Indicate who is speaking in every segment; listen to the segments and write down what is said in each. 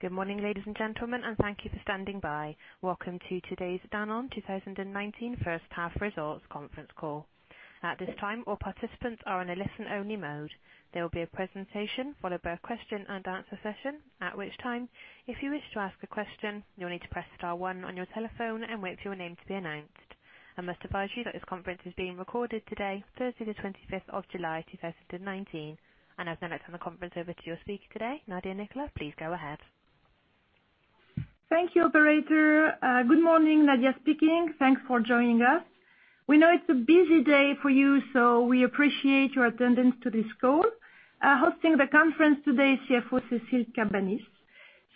Speaker 1: Good morning, ladies and gentlemen, thank you for standing by. Welcome to today's Danone 2019 first half results conference call. At this time, all participants are on a listen only mode. There will be a presentation followed by a question and answer session. At which time, if you wish to ask a question, you'll need to press star one on your telephone and wait for your name to be announced. I must advise you that this conference is being recorded today, Thursday the 25th of July, 2019. I'd now like to hand the conference over to your speaker today, Nadia Nicolas. Please go ahead.
Speaker 2: Thank you, operator. Good morning. Nadia speaking. Thanks for joining us. We know it's a busy day for you, so we appreciate your attendance to this call. Hosting the conference today, CFO Cécile Cabanis.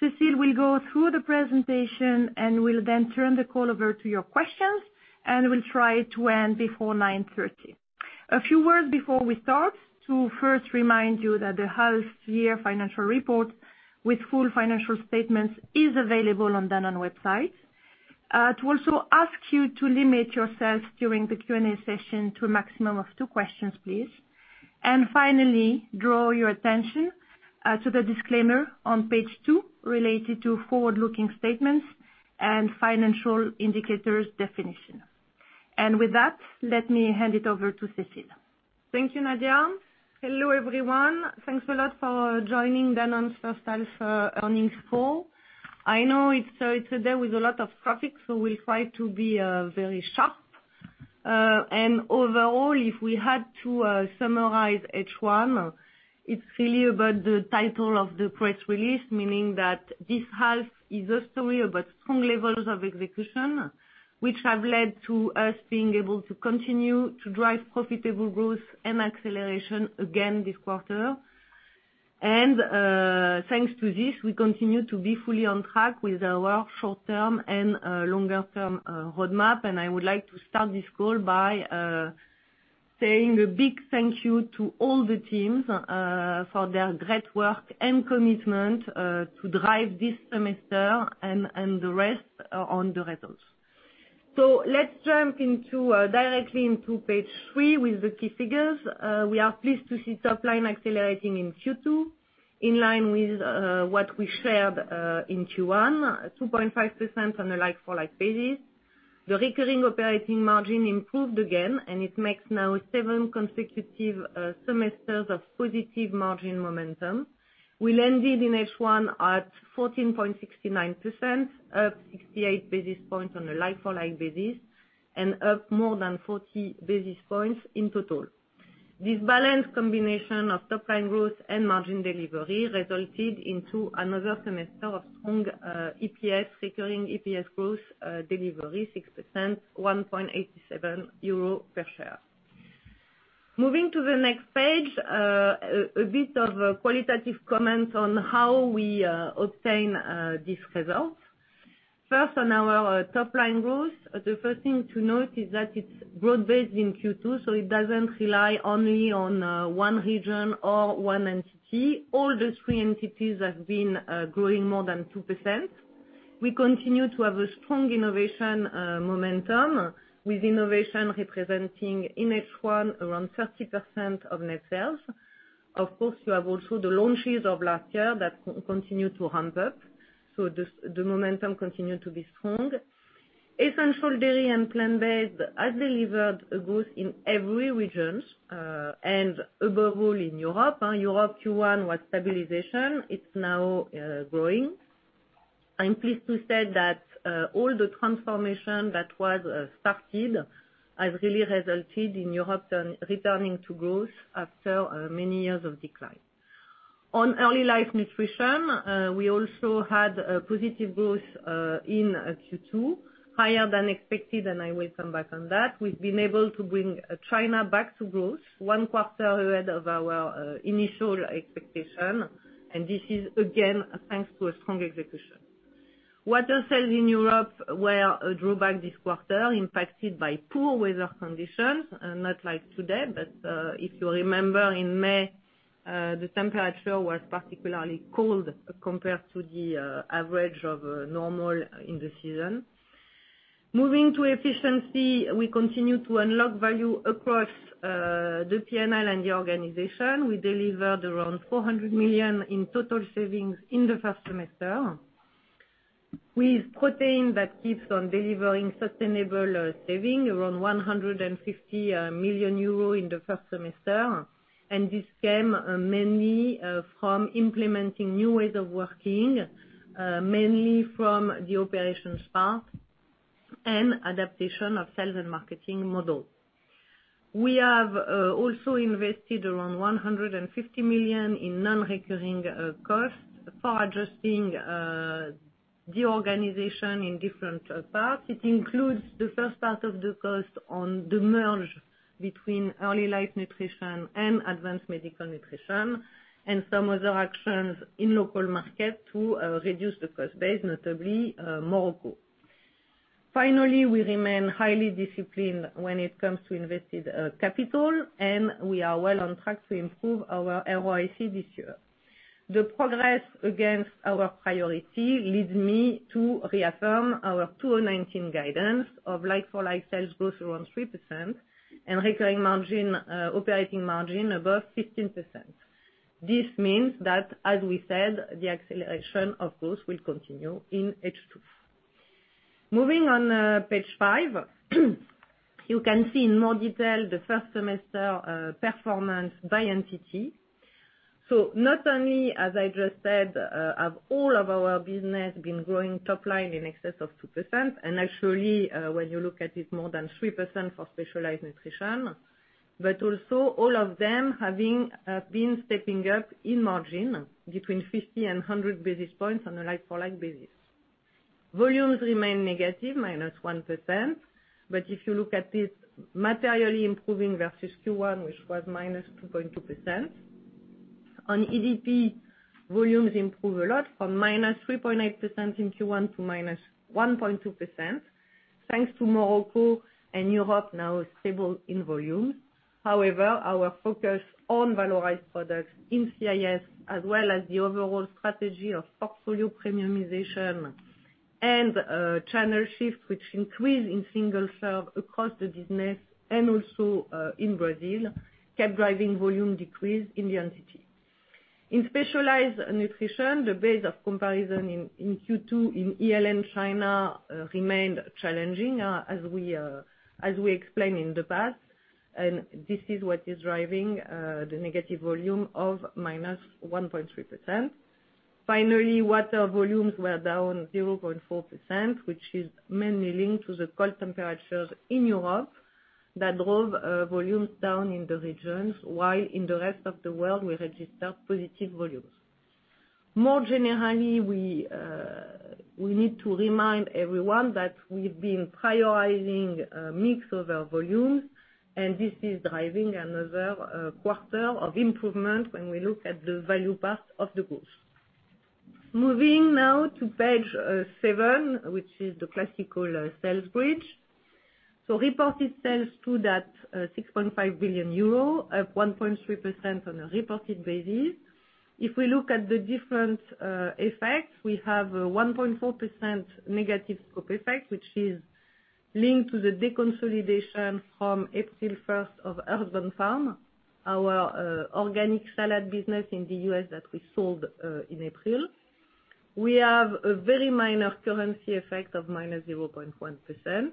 Speaker 2: Cécile will go through the presentation and will then turn the call over to your questions, and we'll try to end before 9:30 A.M. A few words before we start, to first remind you that the half year financial report with full financial statements is available on Danone website. To also ask you to limit yourselves during the Q&A session to a maximum of two questions, please. Finally, draw your attention to the disclaimer on page two related to forward-looking statements and financial indicators definition. With that, let me hand it over to Cécile.
Speaker 3: Thank you, Nadia. Hello, everyone. Thanks a lot for joining Danone's first half earnings call. I know it's a day with a lot of traffic, we'll try to be very sharp. Overall, if we had to summarize H1, it's really about the title of the press release, meaning that this half is a story about strong levels of execution, which have led to us being able to continue to drive profitable growth and acceleration again this quarter. Thanks to this, we continue to be fully on track with our short-term and longer-term roadmap. I would like to start this call by saying a big thank you to all the teams for their great work and commitment to drive this semester, and the rest on the results. Let's jump directly into page three with the key figures. We are pleased to see top line accelerating in Q2, in line with what we shared, in Q1, 2.5% on a like-for-like basis. The recurring operating margin improved again, and it makes now seven consecutive semesters of positive margin momentum. We landed in H1 at 14.69%, up 68 basis points on a like-for-like basis, and up more than 40 basis points in total. This balanced combination of top line growth and margin delivery resulted into another semester of strong EPS, recurring EPS growth delivery, 6%, 1.87 euro per share. Moving to the next page. A bit of a qualitative comment on how we obtain these results. First, on our top line growth, the first thing to note is that it's broad-based in Q2, so it doesn't rely only on one region or one entity. All the three entities have been growing more than 2%. We continue to have a strong innovation momentum, with innovation representing, in H1, around 30% of net sales. Of course, you have also the launches of last year that continue to ramp up, the momentum continue to be strong. Essential Dairy and Plant-Based has delivered a growth in every region, and overall in Europe. Europe, Q1 was stabilization, it's now growing. I'm pleased to say that all the transformation that was started has really resulted in Europe returning to growth after many years of decline. On Early Life Nutrition, we also had a positive growth in Q2, higher than expected, I will come back on that. We've been able to bring China back to growth one quarter ahead of our initial expectation, this is, again, thanks to a strong execution. Water sales in Europe were a drawback this quarter, impacted by poor weather conditions, not like today. If you remember in May, the temperature was particularly cold compared to the average of normal in the season. Moving to efficiency, we continue to unlock value across the P&L and the organization. We delivered around 400 million in total savings in the first semester. With protein that keeps on delivering sustainable saving, around 150 million euro in the first semester. This came mainly from implementing new ways of working, mainly from the operations part and adaptation of sales and marketing model. We have also invested around 150 million in non-recurring costs for adjusting the organization in different parts. It includes the first part of the cost on the merge between Early Life Nutrition and Advanced Medical Nutrition, and some other actions in local markets to reduce the cost base, notably Morocco. Finally, we remain highly disciplined when it comes to invested capital, and we are well on track to improve our ROIC this year. The progress against our priority leads me to reaffirm our 2019 guidance of like-for-like sales growth around 3% and recurring margin, operating margin above 15%. This means that, as we said, the acceleration of growth will continue in H2. Moving on page five. You can see in more detail the first semester performance by entity. Not only, as I just said, have all of our business been growing top line in excess of 2%, and actually, when you look at it, more than 3% for specialized nutrition, but also all of them having been stepping up in margin between 50 and 100 basis points on a like-for-like basis. Volumes remain negative, -1%, if you look at this materially improving versus Q1, which was -2.2%. On EDP, volumes improve a lot from -3.8% in Q1 to -1.2%, thanks to Morocco and Europe now stable in volume. Our focus on valorized products in CIS, as well as the overall strategy of portfolio premiumization and channel shift, which increased in single serve across the business and also in Brazil, kept driving volume decrease in the entity. In Specialized Nutrition, the base of comparison in Q2 in ELN China remained challenging, as we explained in the past. This is what is driving the negative volume of -1.3%. Water volumes were down 0.4%, which is mainly linked to the cold temperatures in Europe that drove volumes down in the regions, while in the rest of the world, we registered positive volumes. More generally, we need to remind everyone that we've been prioritizing a mix of our volumes, and this is driving another quarter of improvement when we look at the value part of the growth. Moving now to page seven, which is the classical sales bridge. Reported sales stood at 6.5 billion euro, up 1.3% on a reported basis. If we look at the different effects, we have a 1.4% negative scope effect, which is linked to the deconsolidation from April 1st of Earthbound Farm, our organic salad business in the U.S. that we sold in April. We have a very minor currency effect of -0.1%.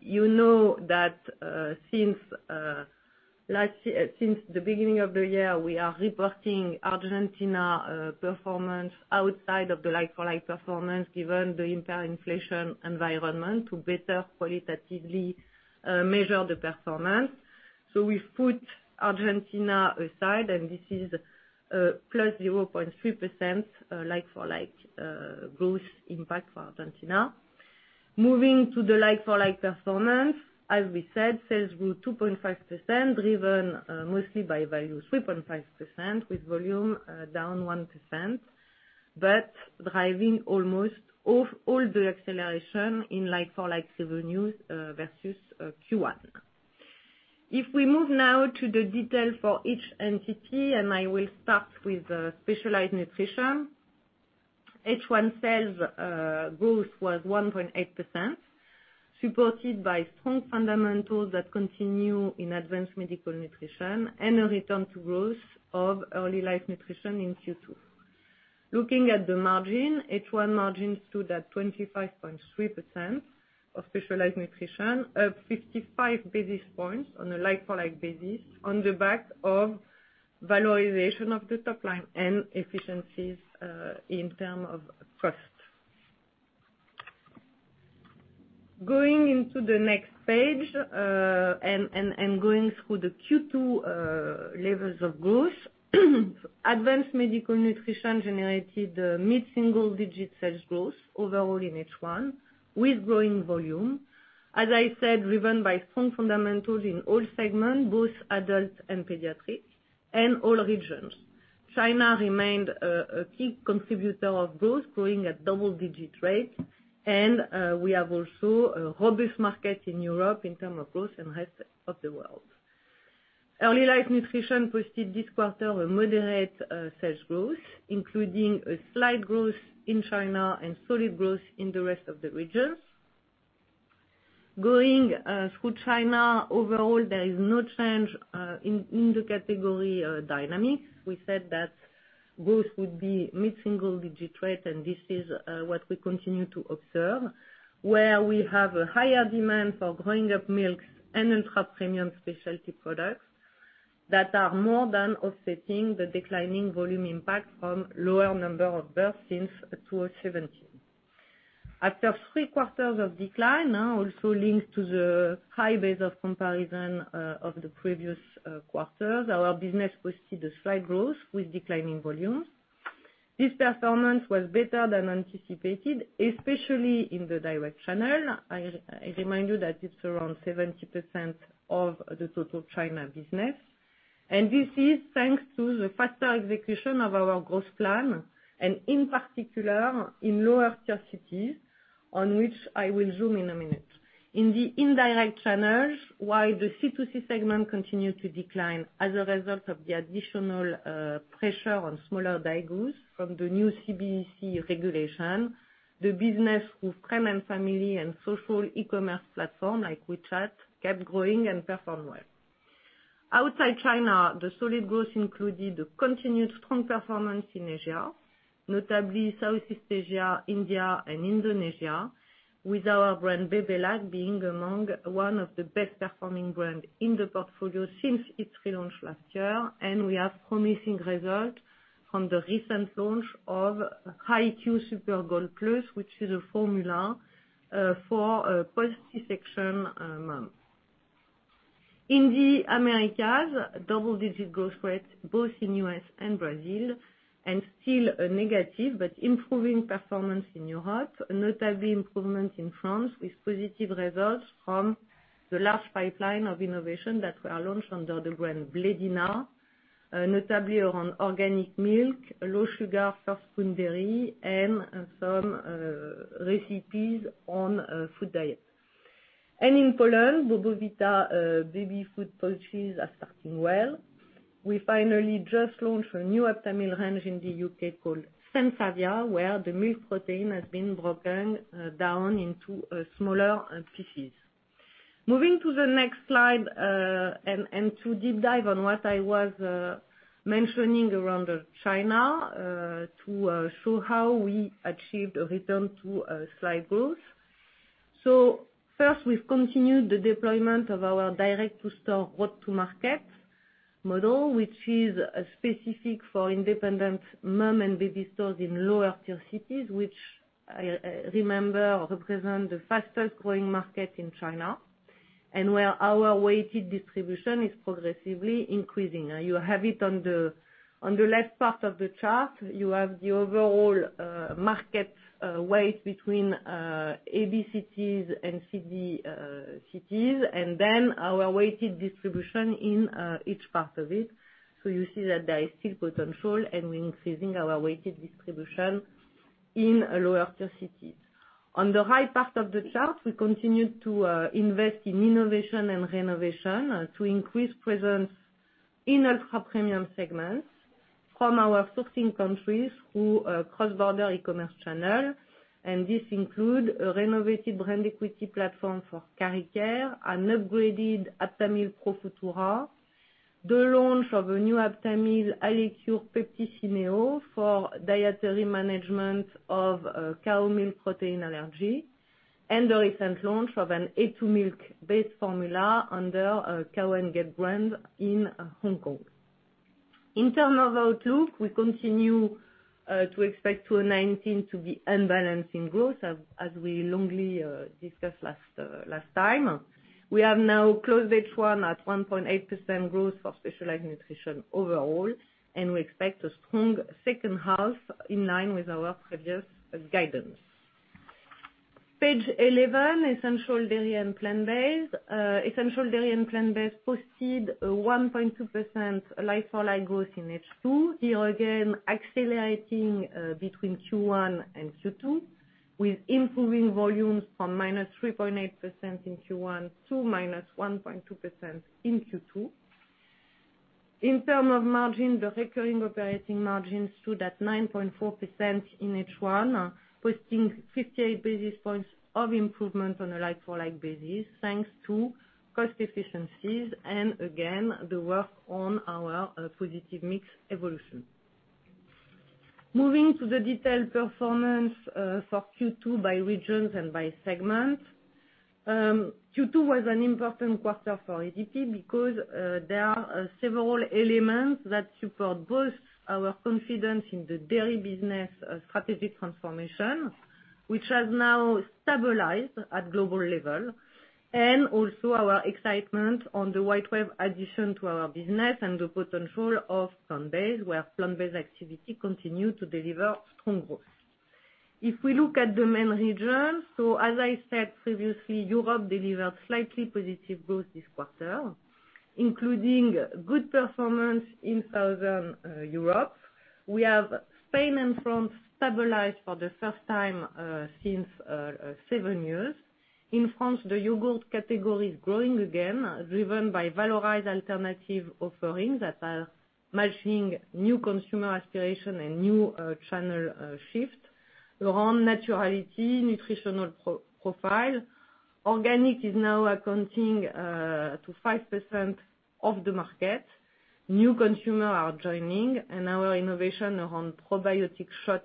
Speaker 3: You know that since the beginning of the year, we are reporting Argentina performance outside of the like-for-like performance, given the entire inflation environment to better qualitatively measure the performance. We put Argentina aside, and this is +0.3% like-for-like growth impact for Argentina. Moving to the like-for-like performance, as we said, sales grew 2.5%, driven mostly by volume, 3.5%, with volume down 1%, but driving almost all the acceleration in like-for-like revenues versus Q1. If we move now to the detail for each entity, and I will start with specialized nutrition. H1 sales growth was 1.8%, supported by strong fundamentals that continue in Advanced Medical Nutrition and a return to growth of Early Life Nutrition in Q2. Looking at the margin, H1 margin stood at 25.3% of Specialized Nutrition, up 55 basis points on a like-for-like basis on the back of valorization of the top line and efficiencies in terms of cost. Going into the next page, and going through the Q2 levels of growth. Advanced Medical Nutrition generated mid-single digit sales growth overall in H1, with growing volume. As I said, driven by strong fundamentals in all segments, both adult and pediatric, and all regions. China remained a key contributor of growth, growing at double-digit rates, we have also a robust market in Europe in term of growth and rest of the world. Early Life Nutrition posted this quarter a moderate sales growth, including a slight growth in China and solid growth in the rest of the regions. Going through China, overall, there is no change in the category dynamics. We said that growth would be mid-single digit rate, this is what we continue to observe, where we have a higher demand for growing up milks and ultra-premium specialty products that are more than offsetting the declining volume impact from lower number of births since 2017. After three quarters of decline, also linked to the high base of comparison of the previous quarters, our business posted a slight growth with declining volumes. This performance was better than anticipated, especially in the direct channel. I remind you that it's around 70% of the total China business. This is thanks to the faster execution of our growth plan, and in particular, in lower tier cities, on which I will zoom in a minute. In the indirect channels, while the C2C segment continued to decline as a result of the additional pressure on smaller daigous from the new CBEC regulation, the business with friend and family and social e-commerce platform like WeChat kept growing and performed well. Outside China, the solid growth included continued strong performance in Asia, notably Southeast Asia, India, and Indonesia, with our brand Bebelac being among one of the best performing brand in the portfolio since its relaunch last year. We have promising result from the recent launch of Hi-Q Super Gold Plus, which is a formula for post C-section moms. In the Americas, double-digit growth rate both in U.S. and Brazil, and still a negative but improving performance in Europe. Notably improvement in France with positive results from the large pipeline of innovation that were launched under the brand Blédina, notably around organic milk, low sugar first spoon dairy, and some recipes on food diet. In Poland, Bobovita baby food pouches are starting well. We finally just launched a new Aptamil range in the U.K. called Sensavia, where the milk protein has been broken down into smaller pieces. Moving to the next slide, and to deep dive on what I was mentioning around China, to show how we achieved a return to a slight growth. First, we've continued the deployment of our direct-to-store, route-to-market model, which is specific for independent mom and baby stores in lower tier cities, which remember, represent the fastest growing market in China. Where our weighted distribution is progressively increasing. You have it on the left part of the chart. You have the overall market weight between A, B cities and C, D cities, then our weighted distribution in each part of it. You see that there is still potential, and we're increasing our weighted distribution in lower tier cities. On the right part of the chart, we continue to invest in innovation and renovation to increase presence in ultra-premium segments from our sourcing countries through cross-border e-commerce channel. This include a renovated brand equity platform for Karicare, an upgraded Aptamil Profutura, the launch of a new Aptamil EleCare Pepti SYNEO for dietary management of cow's milk protein allergy, and the recent launch of an A2 milk-based formula under Cow & Gate brand in Hong Kong. In terms of outlook, we continue to expect 2019 to be unbalanced growth, as we lengthily discussed last time. We have now closed H1 at 1.8% growth for specialized nutrition overall, and we expect a strong second half in line with our previous guidance. Page 11, essential dairy & Plant-Based. Essential Dairy & Plant-Based posted a 1.2% like-for-like growth in H2. Here again, accelerating between Q1 and Q2, with improving volumes from -3.8% in Q1 to -1.2% in Q2. In terms of margin, the recurring operating margin stood at 9.4% in H1, posting 58 basis points of improvement on a like-for-like basis, thanks to cost efficiencies and again, the work on our positive mix evolution. Moving to the detailed performance for Q2 by regions and by segment. Q2 was an important quarter for EDP because there are several elements that support both our confidence in the dairy business strategic transformation, which has now stabilized at global level. Also our excitement on the WhiteWave addition to our business and the potential of Plant-based, where Plant-based activity continue to deliver strong growth. If we look at the main regions, as I said previously, Europe delivered slightly positive growth this quarter, including good performance in Southern Europe. We have Spain and France stabilized for the first time since seven years. In France, the yogurt category is growing again, driven by valorized alternative offerings that are matching new consumer aspiration and new channel shift around naturality, nutritional profile. Organic is now accounting to 5% of the market. New consumer are joining, and our innovation around probiotic shot,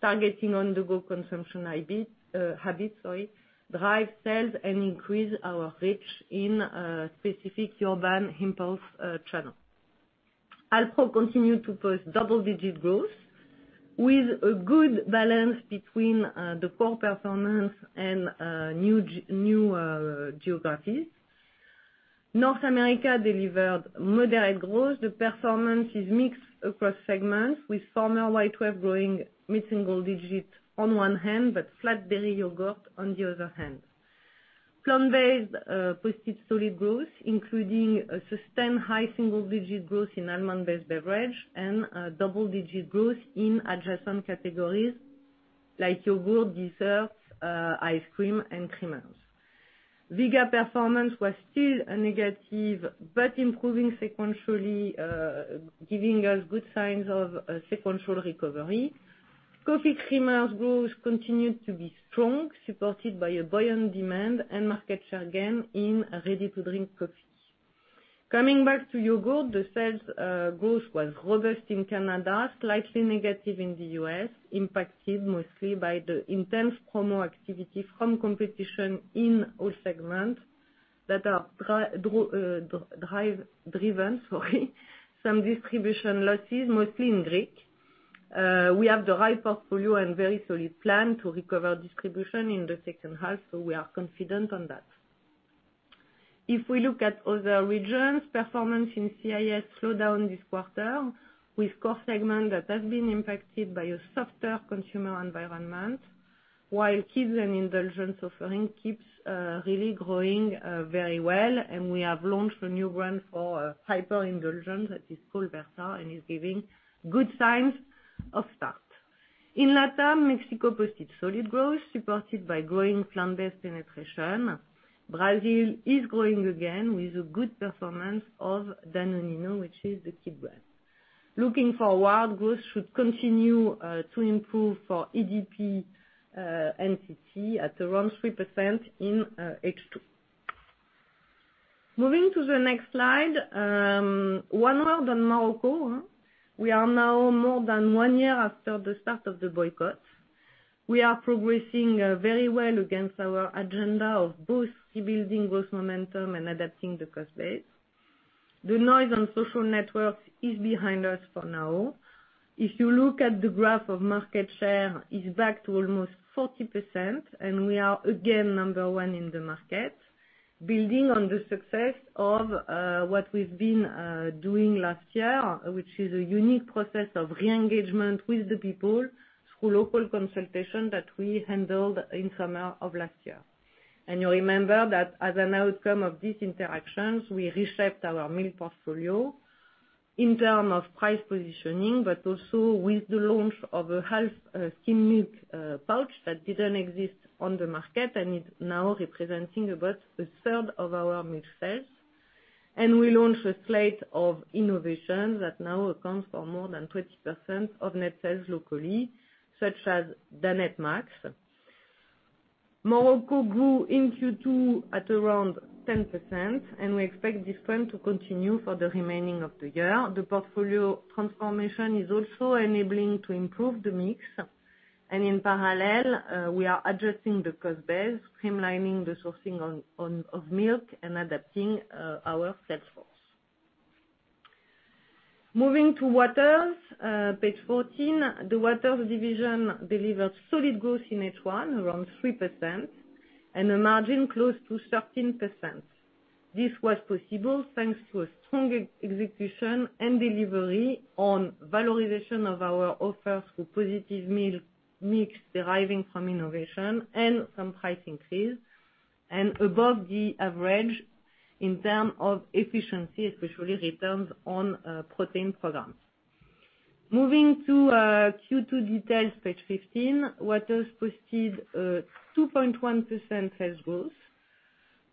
Speaker 3: targeting on-the-go consumption habit, sorry, drive sales and increase our reach in specific urban impulse channel. Alpro continued to post double-digit growth with a good balance between the core performance and new geographies. North America delivered moderate growth. The performance is mixed across segments, with former WhiteWave growing mid-single digit on one hand, but flat dairy yogurt on the other hand. Plant-Based posted solid growth, including a sustained high single-digit growth in almond-based beverage and a double-digit growth in adjacent categories like yogurt, desserts, ice cream, and creamas. Vega performance was still a negative but improving sequentially, giving us good signs of a sequential recovery. Coffee creamers growth continued to be strong, supported by a buoyant demand and market share gain in ready-to-drink coffee. Coming back to yogurt, the sales growth was robust in Canada, slightly negative in the U.S., impacted mostly by the intense promo activity from competition in all segments that are driven, some distribution losses, mostly in Greek. We have the right portfolio and very solid plan to recover distribution in the second half, so we are confident on that. If we look at other regions, performance in CIS slowed down this quarter with core segment that has been impacted by a softer consumer environment, while kids and indulgence offering keeps really growing very well. We have launched a new brand for hyper-indulgence that is called Versa and is giving good signs of start. In LATAM, Mexico posted solid growth supported by growing Plant-based penetration. Brazil is growing again with a good performance of Danonino, which is the kid brand. Looking forward, growth should continue to improve for EDP at around 3% in H2. Moving to the next slide. One word on Morocco. We are now more than one year after the start of the boycott. We are progressing very well against our agenda of both rebuilding growth momentum and adapting the cost base. The noise on social networks is behind us for now. If you look at the graph of market share, it's back to almost 40%, and we are again number one in the market, building on the success of what we've been doing last year, which is a unique process of re-engagement with the people through local consultation that we handled in summer of last year. You remember that as an outcome of these interactions, we reshaped our milk portfolio in term of price positioning, but also with the launch of a half skim milk pouch that didn't exist on the market and is now representing about a third of our milk sales. We launched a slate of innovation that now accounts for more than 20% of net sales locally, such as Danette Maxi. Morocco grew in Q2 at around 10%, and we expect this trend to continue for the remaining of the year. In parallel, we are addressing the cost base, streamlining the sourcing of milk and adapting our sales force. Moving to Waters, page 14. The Waters division delivered solid growth in H1, around 3%, and a margin close to 13%. This was possible thanks to a strong execution and delivery on valorization of our offers through positive mix deriving from innovation and some price increase, and above the average in terms of efficiency, especially returns on protein programs. Moving to Q2 details, page 15. Waters posted a 2.1% sales growth.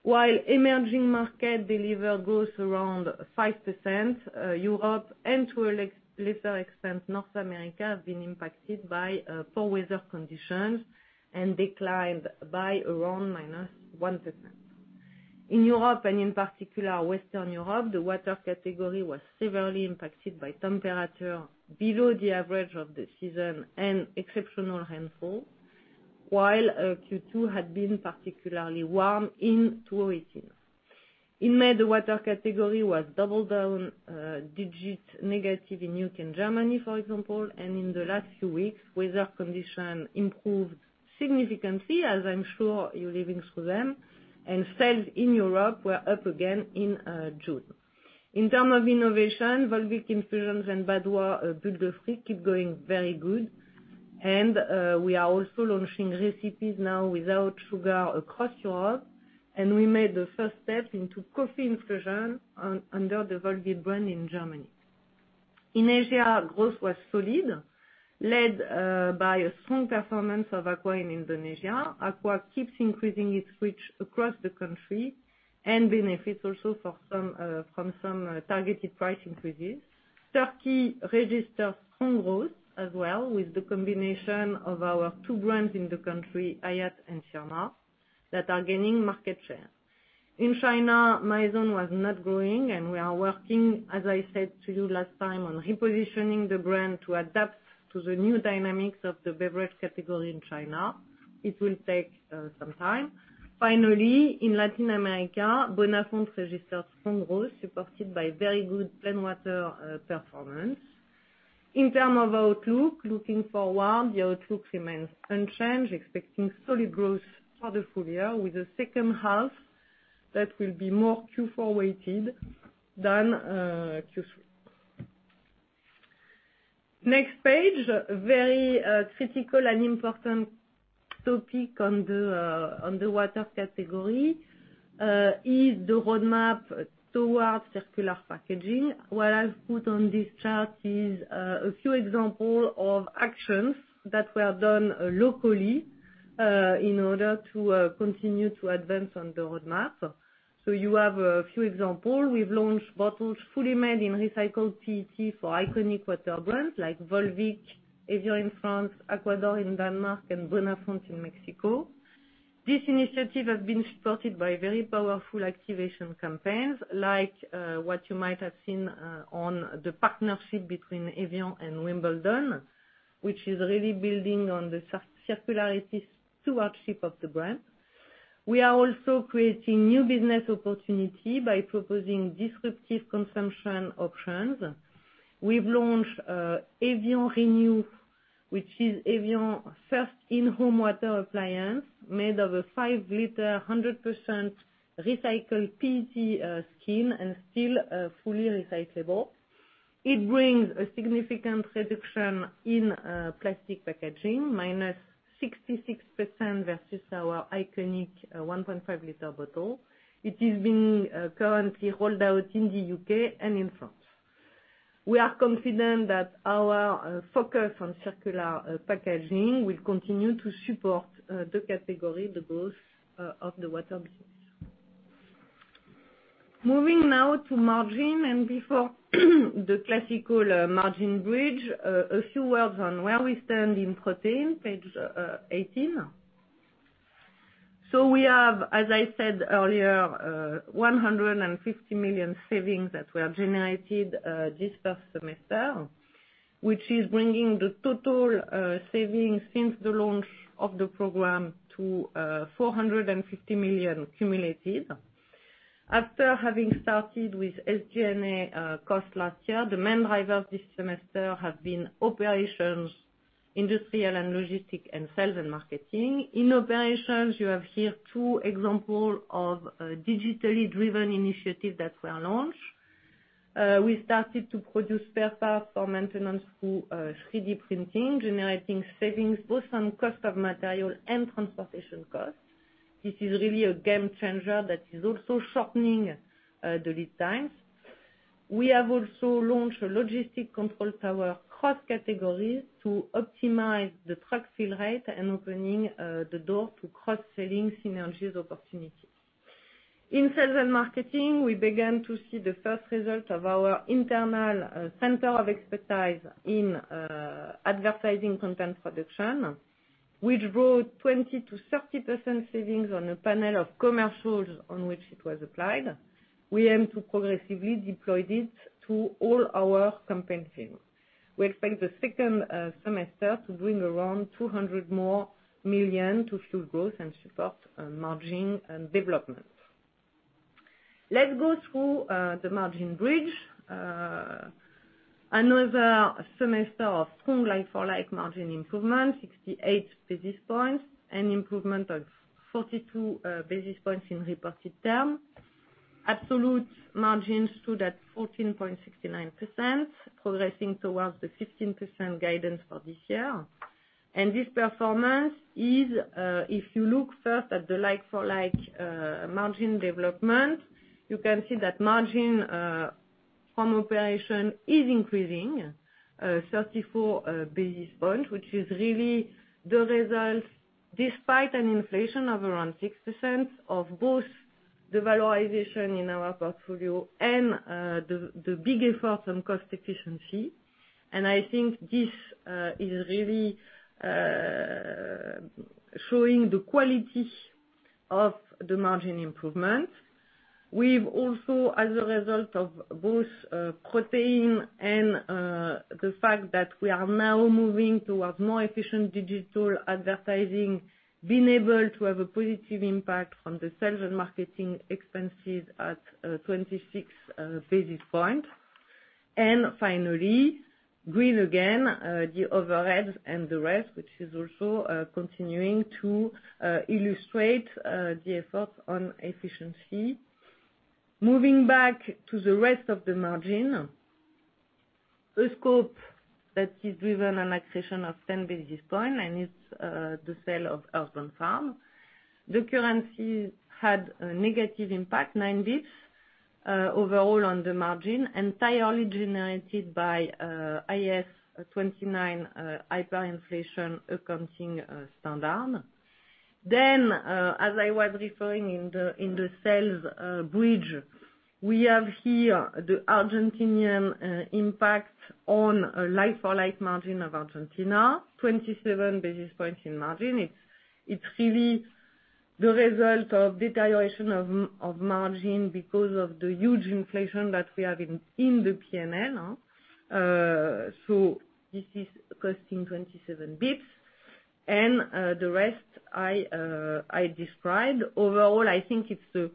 Speaker 3: While emerging markets delivered growth around 5%, Europe and to a lesser extent, North America, have been impacted by poor weather conditions and declined by around -1%. In Europe, and in particular Western Europe, the water category was severely impacted by temperature below the average of the season and exceptional rainfall. While Q2 had been particularly warm in 2018. In May, the water category was double-digit negative in U.K. and Germany, for example. In the last few weeks, weather condition improved significantly, as I'm sure you're living through them. Sales in Europe were up again in June. In terms of innovation, Volvic infusions and Badoit Bulle de Fruits keep going very good. We are also launching recipes now without sugar across Europe. We made the first step into coffee infusion under the Volvic brand in Germany. In Asia, growth was solid, led by a strong performance of Aqua in Indonesia. Aqua keeps increasing its reach across the country and benefits also from some targeted price increases. Turkey registered strong growth as well with the combination of our two brands in the country, Hayat and Sirma, that are gaining market share. In China, Mizone was not growing, and we are working, as I said to you last time, on repositioning the brand to adapt to the new dynamics of the beverage category in China. It will take some time. Finally, in Latin America, Bonafont registered strong growth, supported by very good plain water performance. In term of outlook, looking forward, the outlook remains unchanged, expecting solid growth for the full year with the second half that will be more Q4 weighted than Q3. Next page. Very critical and important topic on the water category, is the roadmap towards circular packaging. What I've put on this chart is a few example of actions that were done locally in order to continue to advance on the roadmap. You have a few examples. We've launched bottles fully made in recycled PET for iconic water brands like Volvic, evian in France, Aqua d'Or in Denmark, and Bonafont in Mexico. This initiative has been supported by very powerful activation campaigns like what you might have seen on the partnership between evian and Wimbledon, which is really building on the circularity stewardship of the brand. We are also creating new business opportunities by proposing disruptive consumption options. We've launched evian (re)new, which is evian first in-home water appliance, made of a five liter, 100% recycled PET skin and still fully recyclable. It brings a significant reduction in plastic packaging, minus 66% versus our iconic 1.5 liter bottle. It is being currently rolled out in the U.K. and in France. We are confident that our focus on circular packaging will continue to support the category, the growth of the water business. Moving now to margin, and before the classical margin bridge, a few words on where we stand in protein, page 18. We have, as I said earlier, 150 million savings that were generated this first semester, which is bringing the total savings since the launch of the program to 450 million cumulative. After having started with SG&A cost last year, the main drivers this semester have been operations, industrial and logistic, and sales and marketing. In operations, you have here two example of a digitally driven initiative that were launched. We started to produce spare parts for maintenance through 3D printing, generating savings both on cost of material and transportation cost. This is really a game changer that is also shortening the lead times. We have also launched a logistic control tower cross categories to optimize the truck fill rate and opening the door to cross-selling synergies opportunity. In sales and marketing, we began to see the first result of our internal center of expertise in advertising content production, which brought 20% to 30% savings on a panel of commercials on which it was applied. We aim to progressively deploy this to all our campaigns. We expect the second semester to bring around 200 million to fuel growth and support margin development. Let's go through the margin bridge. Another semester of strong like-for-like margin improvement, 68 basis points. An improvement of 42 basis points in reported term. Absolute margin stood at 14.69%, progressing towards the 15% guidance for this year. This performance is, if you look first at the like-for-like margin development, you can see that margin from operation is increasing, 34 basis point, which is really the result despite an inflation of around 6% of both the valorization in our portfolio and the big effort on cost efficiency, I think this is really showing the quality of the margin improvement. We've also, as a result of both protein and the fact that we are now moving towards more efficient digital advertising, been able to have a positive impact on the sales and marketing expenses at 26 basis point. Finally, green again, the overhead and the rest, which is also continuing to illustrate the effort on efficiency. Moving back to the rest of the margin. A scope that is driven an accretion of 10 basis point, and it's the sale of Earthbound Farm. The currency had a negative impact, nine basis points, overall on the margin, entirely generated by IAS 29 hyperinflation accounting standard. As I was referring in the sales bridge, we have here the Argentinian impact on like-for-like margin of Argentina, 27 basis points in margin. It's really the result of deterioration of margin because of the huge inflation that we have in the P&L. This is costing 27 basis points. The rest, I described. Overall, I think it's a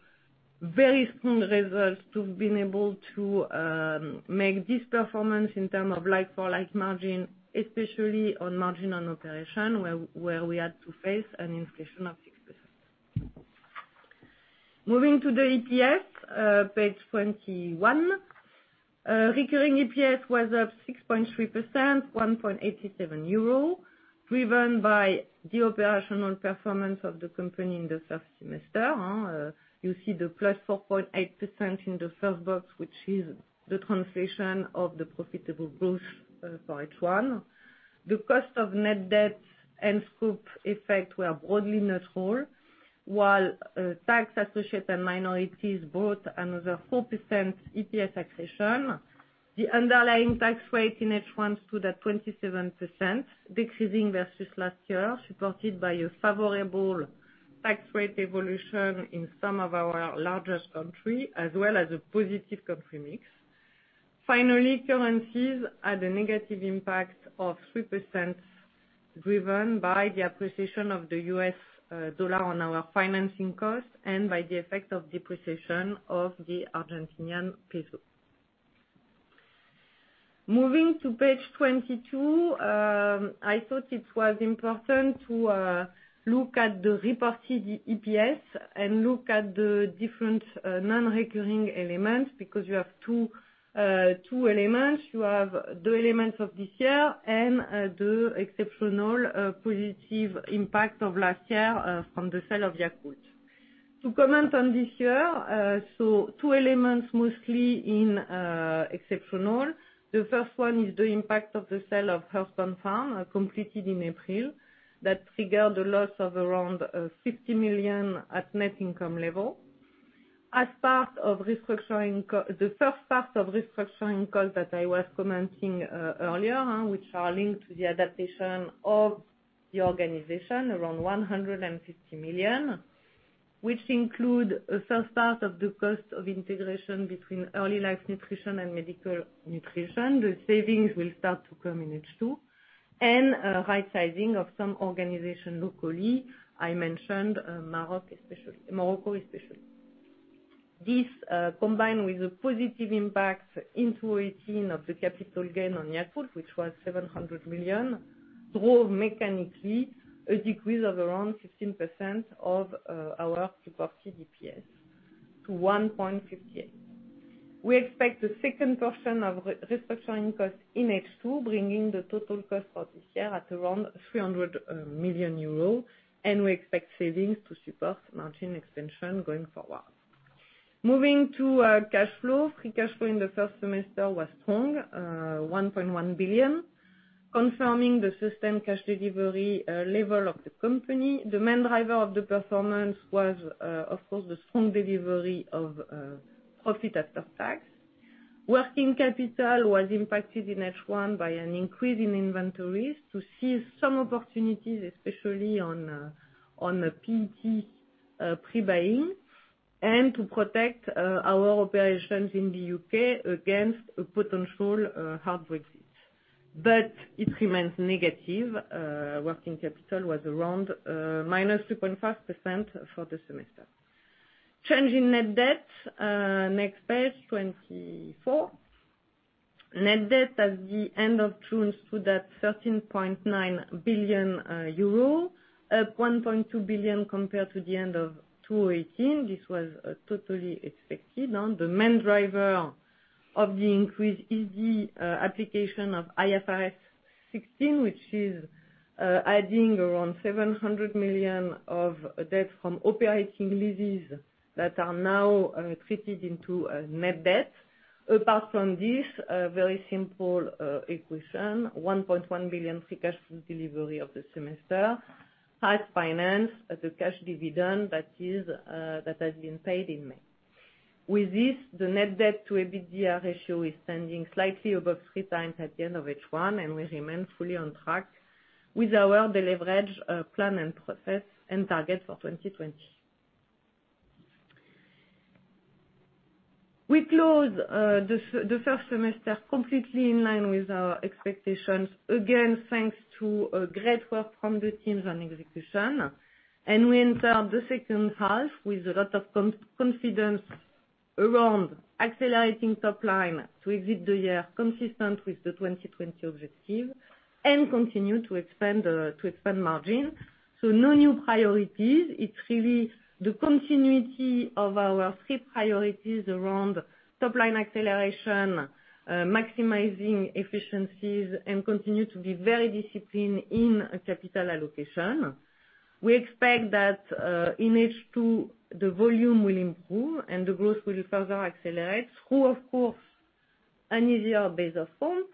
Speaker 3: very strong result to have been able to make this performance in terms of like-for-like margin, especially on margin on operation, where we had to face an inflation of 6%. Moving to the EPS, page 21. Recurring EPS was up 6.3%, 1.87 euro, driven by the operational performance of the company in the first semester. You see the +4.8% in the first box, which is the translation of the profitable growth for H1. The cost of net debt and scope effect were broadly neutral, while tax associates and minorities brought another 4% EPS accretion. The underlying tax rate in H1 stood at 27%, decreasing versus last year, supported by a favorable tax rate evolution in some of our largest country, as well as a positive country mix. Finally, currencies had a negative impact of 3%, driven by the appreciation of the U.S. dollar on our financing cost, by the effect of depreciation of the Argentinian peso. Moving to page 22, I thought it was important to look at the reported EPS and look at the different non-recurring elements, because you have two elements. You have the elements of this year and the exceptional positive impact of last year from the sale of Yakult. To comment on this year, two elements, mostly in exceptional. The first one is the impact of the sale of Earthbound Farm, completed in April. That triggered a loss of around 50 million at net income level. The first part of restructuring cost that I was commenting earlier, which are linked to the adaptation of the organization, around 150 million, which include first part of the cost of integration between early life nutrition and medical nutrition. The savings will start to come in H2. Right sizing of some organization locally, I mentioned Morocco especially. This, combined with a positive impact in 2018, of the capital gain on Yakult, which was 700 million, drove mechanically a decrease of around 15% of our reported EPS to 1.58. We expect the second portion of restructuring costs in H2, bringing the total cost for this year at around 300 million euros. We expect savings to support margin expansion going forward. Moving to cash flow. Free cash flow in the first semester was strong, 1.1 billion, confirming the system cash delivery level of the company. The main driver of the performance was, of course, the strong delivery of profit after tax. Working capital was impacted in H1 by an increase in inventories to seize some opportunities, especially on PET pre-buying, and to protect our operations in the U.K. against a potential hard Brexit. It remains negative. Working capital was around -2.5% for the semester. Change in net debt, next page 24. Net debt at the end of June stood at 13.9 billion euro, up 1.2 billion compared to the end of 2018. This was totally expected. The main driver of the increase is the application of IFRS 16, which is adding around 700 million of debt from operating leases that are now treated into a net debt. Apart from this, a very simple equation, 1.1 billion free cash flow delivery of the semester, high finance, the cash dividend that has been paid in May. We remain fully on track with our de-leverage plan, and process, and target for 2020. We close the first semester completely in line with our expectations. Again, thanks to great work from the teams on execution. We enter the second half with a lot of confidence around accelerating top line to exit the year consistent with the 2020 objective, and continue to expand margin. No new priorities. It's really the continuity of our three priorities around top line acceleration, maximizing efficiencies, and continue to be very disciplined in capital allocation. We expect that in H2, the volume will improve and the growth will further accelerate through, of course, an easier base effect,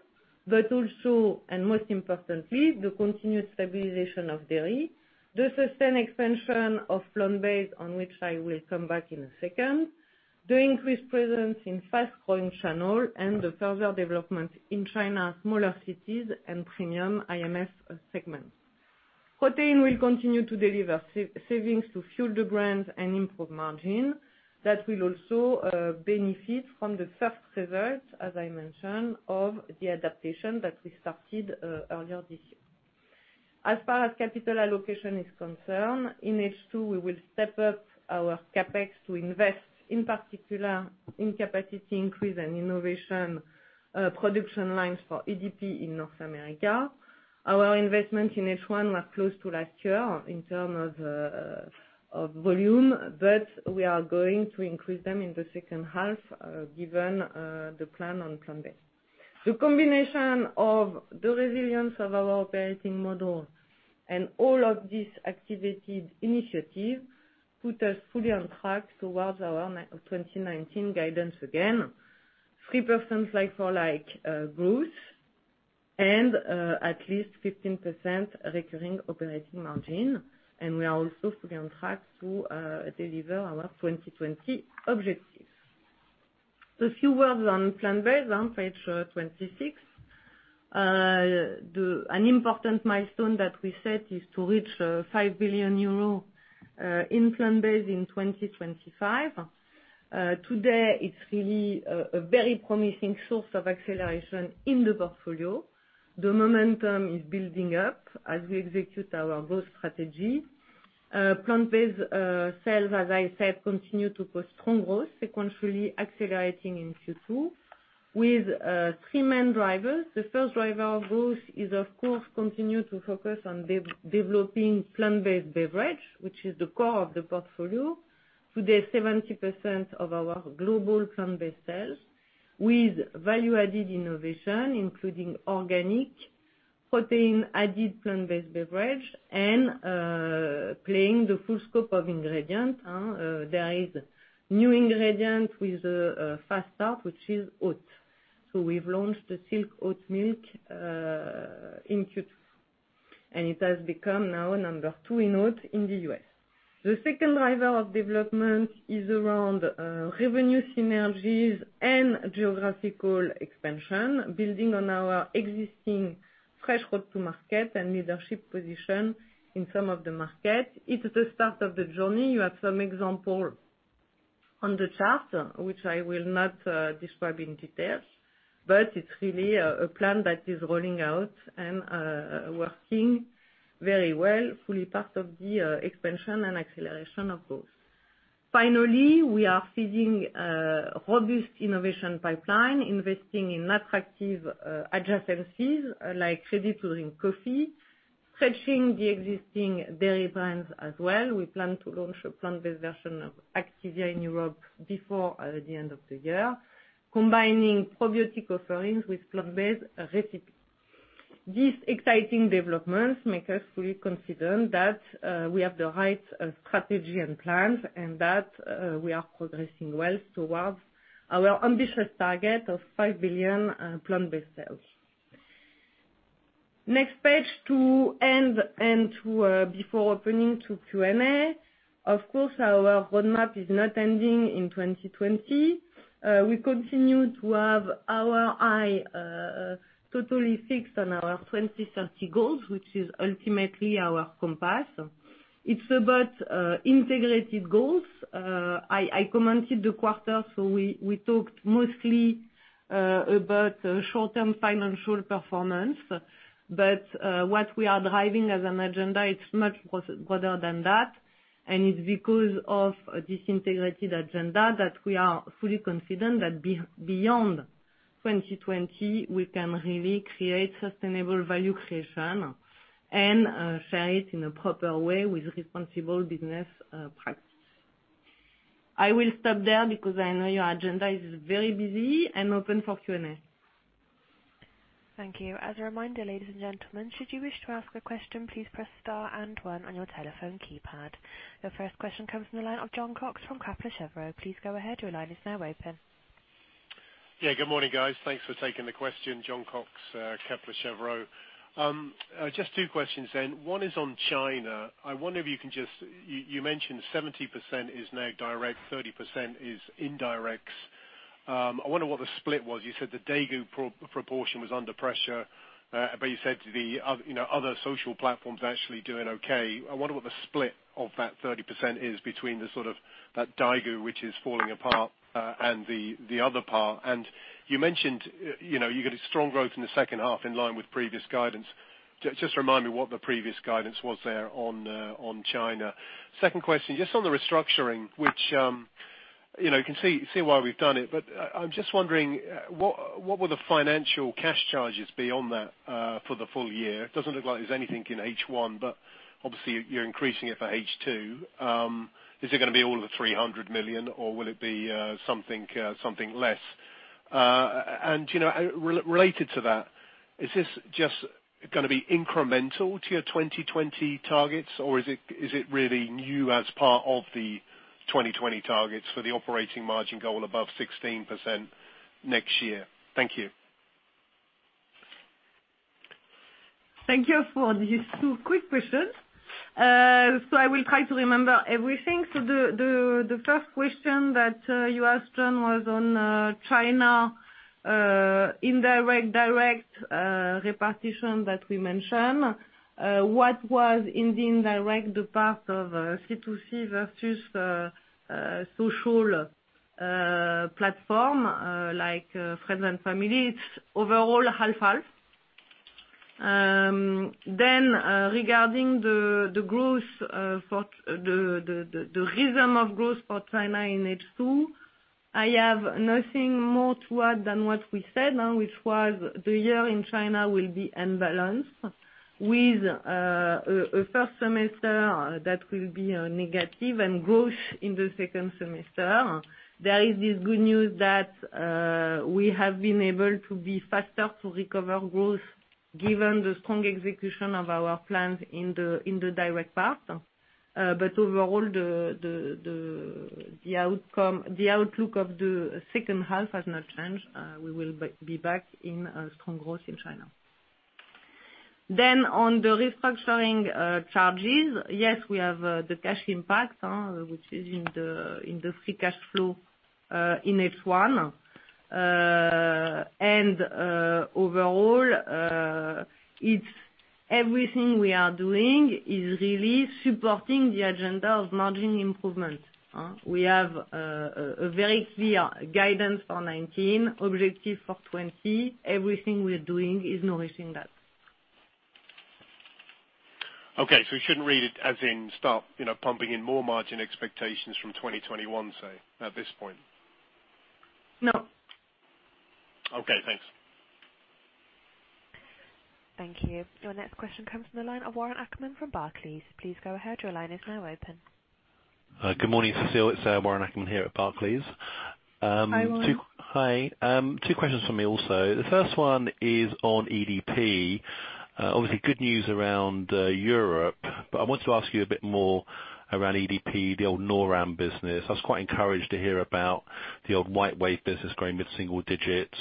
Speaker 3: but also, and most importantly, the continued stabilization of dairy, the sustained expansion of Plant-based, on which I will come back in a second. The increased presence in fast-growing channel, and the further development in China, smaller cities and premium IMS segments. Protein will continue to deliver savings to fuel the brands and improve margin. That will also benefit from the first result, as I mentioned, of the adaptation that we started earlier this year. As far as capital allocation is concerned, in H2, we will step up our CapEx to invest, in particular, in capacity increase and innovation production lines for EDP in North America. Our investments in H1 were close to last year in terms of volume, but we are going to increase them in the second half, given the plan on Plant-based. The combination of the resilience of our operating model and all of these activated initiatives put us fully on track towards our 2019 guidance again, 3% like-for-like growth, and at least 15% recurring operating margin. We are also fully on track to deliver our 2020 objectives. A few words on Plant-based on page 26. An important milestone that we set is to reach 5 billion euro in Plant-based in 2025. Today, it's really a very promising source of acceleration in the portfolio. The momentum is building up as we execute our growth strategy. Plant-Based sales, as I said, continue to post strong growth, sequentially accelerating in Q2 with three main drivers. The first driver of growth is, of course, continue to focus on developing Plant-based beverage, which is the core of the portfolio. Today, 70% of our global Plant-based sales with value-added innovation, including organic, protein-added Plant-based beverage, and playing the full scope of ingredients. There is new ingredient with a fast start, which is oat. We've launched the Silk Oatmilk in Q2, and it has become now number two in oat in the U.S. The second driver of development is around revenue synergies and geographical expansion, building on our existing fresh go-to market and leadership position in some of the markets. It's the start of the journey. You have some examples on the chart, which I will not describe in detail, but it's really a plan that is rolling out and working very well, fully part of the expansion and acceleration of growth. Finally, we are feeding a robust innovation pipeline, investing in attractive adjacencies like ready-to-drink coffee, stretching the existing dairy brands as well. We plan to launch a Plant-based version of Activia in Europe before the end of the year, combining probiotic offerings with Plant-based recipes. These exciting developments make us fully confident that we have the right strategy and plans, and that we are progressing well towards our ambitious target of 5 billion Plant-based sales. Next page to end and before opening to Q&A. Our roadmap is not ending in 2020. We continue to have our eye totally fixed on our 2030 goals, which is ultimately our compass. It's about integrated goals. I commented the quarter, so we talked mostly about short-term financial performance. What we are driving as an agenda, it's much broader than that. It's because of this integrated agenda that we are fully confident that beyond 2020, we can really create sustainable value creation and share it in a proper way with responsible business practice. I will stop there because I know your agenda is very busy. I'm open for Q&A.
Speaker 1: Thank you. As a reminder, ladies and gentlemen, should you wish to ask a question, please press star and one on your telephone keypad. The first question comes from the line of Jon Cox from Kepler Cheuvreux. Please go ahead, your line is now open.
Speaker 4: Good morning, guys. Thanks for taking the question. Jon Cox, Kepler Cheuvreux. Just two questions then. One is on China. You mentioned 70% is now direct, 30% is indirect. I wonder what the split was. You said the daigou proportion was under pressure, but you said the other social platforms are actually doing okay. I wonder what the split of that 30% is between the sort of that daigou, which is falling apart, and the other part. You mentioned you got a strong growth in the second half in line with previous guidance. Just remind me what the previous guidance was there on China. Second question, just on the restructuring, which you can see why we've done it, but I'm just wondering, what will the financial cash charges be on that for the full year? It doesn't look like there's anything in H1, but obviously you're increasing it for H2. Is it going to be all of the 300 million, or will it be something less? Related to that, is this just going to be incremental to your 2020 targets, or is it really new as part of the 2020 targets for the operating margin goal above 16% next year? Thank you.
Speaker 3: Thank you for these two quick questions. I will try to remember everything. The first question that you asked, Jon, was on China, indirect/direct repartition that we mentioned. What was in the indirect part of C2C versus social platform, like friends and family? It's overall half-half. Regarding the rhythm of growth for China in H2, I have nothing more to add than what we said, which was the year in China will be imbalanced, with a first semester that will be negative and growth in the second semester. There is this good news that we have been able to be faster to recover growth given the strong execution of our plans in the direct part. Overall, the outlook of the second half has not changed. We will be back in strong growth in China. On the restructuring charges, yes, we have the cash impact, which is in the free cash flow, in H1. Overall, everything we are doing is really supporting the agenda of margin improvement. We have a very clear guidance for 2019, objective for 2020. Everything we are doing is noticing that.
Speaker 4: Okay. we shouldn't read it as in stop pumping in more margin expectations from 2021, say, at this point.
Speaker 3: No.
Speaker 4: Okay. Thanks.
Speaker 1: Thank you. Your next question comes from the line of Warren Ackerman from Barclays. Please go ahead. Your line is now open.
Speaker 5: Good morning, Cécile. It's Warren here at Barclays.
Speaker 3: Hi, Warren.
Speaker 5: Hi. Two questions from me also. The first one is on EDP. Obviously, good news around Europe, but I wanted to ask you a bit more around EDP, the old NORAM business. I was quite encouraged to hear about the old WhiteWave business growing mid-single digits.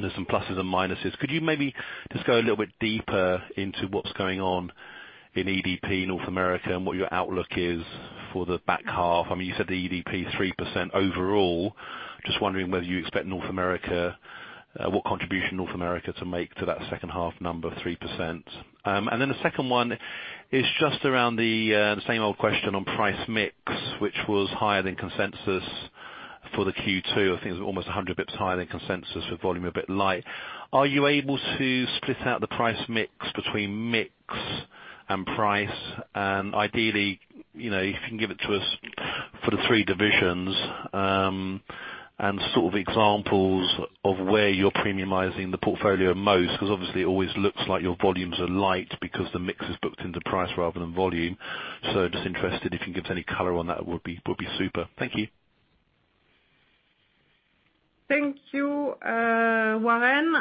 Speaker 5: There's some pluses and minuses. Could you maybe just go a little bit deeper into what's going on in EDP North America and what your outlook is for the back half? You said EDP 3% overall. Just wondering whether you expect North America, what contribution North America to make to that second half number, 3%. The second one is just around the same old question on price mix, which was higher than consensus for the Q2. I think it was almost 100 basis points higher than consensus with volume a bit light. Are you able to split out the price mix between mix and price? Ideally, if you can give it to us for the three divisions, and examples of where you're premiumizing the portfolio most. Because obviously it always looks like your volumes are light because the mix is booked into price rather than volume. Just interested, if you can give us any color on that would be super. Thank you.
Speaker 3: Thank you, Warren.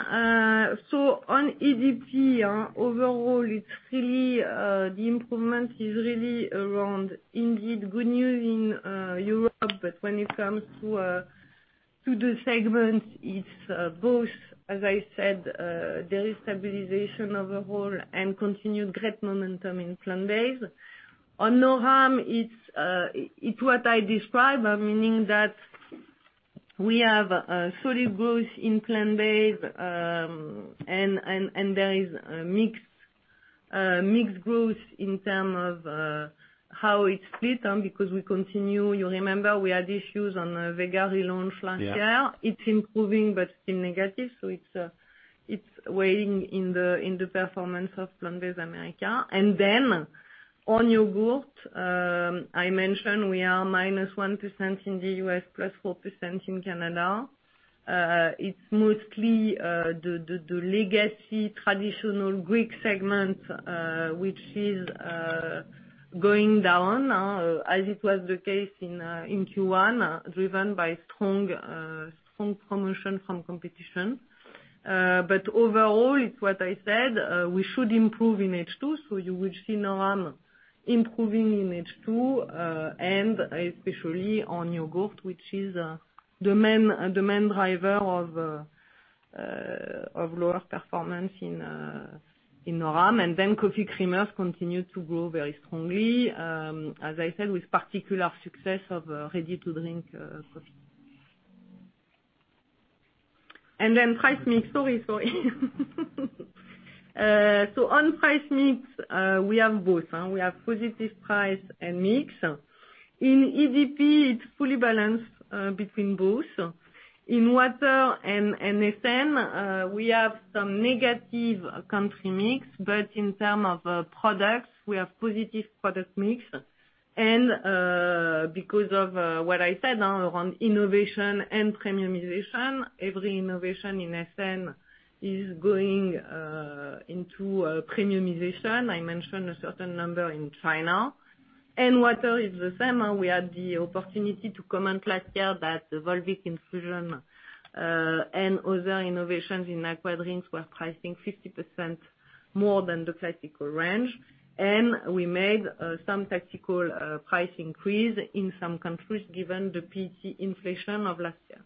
Speaker 3: On EDP, overall the improvement is really around indeed good news in Europe, but when it comes to the segments, it's both, as I said, there is stabilization overall and continued great momentum in Plant-Based. On NORAM, it's what I described, meaning that we have solid growth in Plant-Based, and there is mixed growth in terms of how it's split because we continue. You remember we had issues on veggie launch last year.
Speaker 5: Yeah.
Speaker 3: It's improving but still negative, so it's weighing in the performance of Plant-Based America. On yogurt, I mentioned we are minus 1% in the U.S., plus 4% in Canada. It's mostly the legacy traditional Greek segment, which is going down, as it was the case in Q1, driven by strong promotion from competition. Overall, it's what I said, we should improve in H2, so you will see NORAM improving in H2, and especially on yogurt, which is the main driver of lower performance in NORAM. Coffee creamers continue to grow very strongly, as I said, with particular success of ready-to-drink coffee. Price mix. Sorry. On price mix, we have both. We have positive price and mix. In EDP, it's fully balanced between both. In water and SN, we have some negative country mix, but in term of products, we have positive product mix, and because of what I said around innovation and premiumization, every innovation in SN is going into premiumization. I mentioned a certain number in China. Water is the same. We had the opportunity to comment last year that Volvic infusion and other innovations in aquatic drinks were pricing 50% more than the classical range. We made some tactical price increase in some countries given the PET inflation of last year.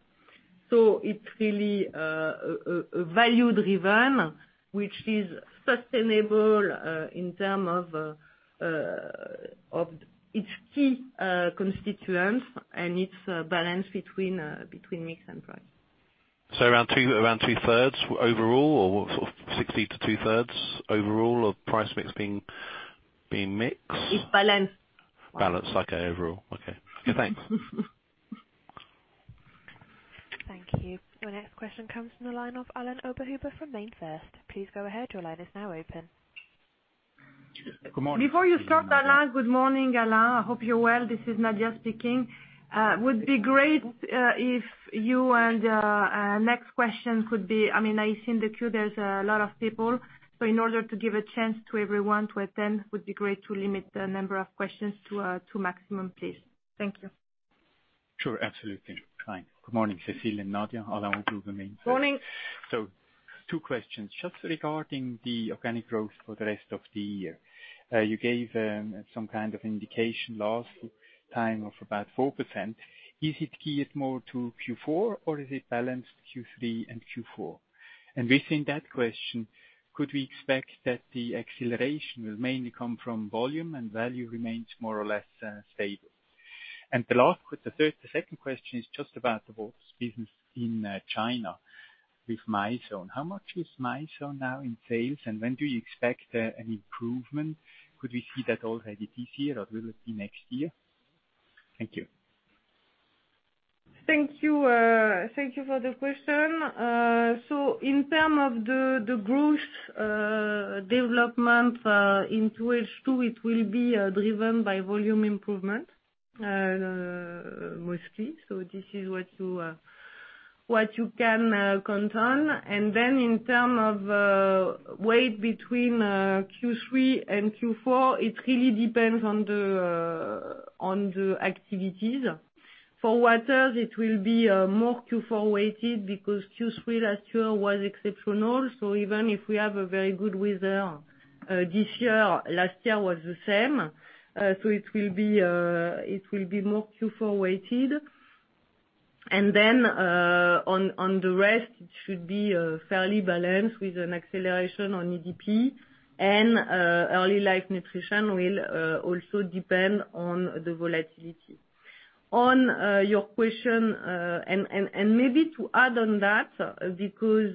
Speaker 3: It's really a value-driven, which is sustainable in term of its key constituents, and it's a balance between mix and price.
Speaker 5: Around two thirds overall, or 60 to two thirds overall of price mix being mix?
Speaker 3: It's balanced.
Speaker 5: Balanced. Okay. Overall. Okay. Good. Thanks.
Speaker 1: Thank you. Your next question comes from the line of Alain Oberhuber from MainFirst. Please go ahead, your line is now open.
Speaker 6: Good morning.
Speaker 2: Before you start, Alain. Good morning, Alain. I hope you're well. This is Nadia speaking. Would be great if you and next question could be I see in the queue there's a lot of people, so in order to give a chance to everyone to attend, would be great to limit the number of questions to a two maximum, please. Thank you.
Speaker 6: Sure, absolutely. Good morning, Cécile and Nadia, Alain Oberhuber, MainFirst.
Speaker 3: Morning.
Speaker 6: Two questions. Just regarding the organic growth for the rest of the year. You gave some kind of indication last time of about 4%. Is it geared more to Q4 or is it balanced Q3 and Q4? Within that question, could we expect that the acceleration will mainly come from volume and value remains more or less stable? The second question is just about the waters business in China with Mizone. How much is Mizone now in sales, and when do you expect an improvement? Could we see that already this year or will it be next year? Thank you.
Speaker 3: Thank you for the question. In term of the growth development in Q2, it will be driven by volume improvement, mostly. This is what you can count on. In term of weight between Q3 and Q4, it really depends on the activities. For waters, it will be more Q4-weighted because Q3 last year was exceptional. Even if we have a very good weather this year, last year was the same. It will be more Q4-weighted. On the rest, it should be fairly balanced with an acceleration on EDP and Early Life Nutrition will also depend on the volatility. On your question, and maybe to add on that, because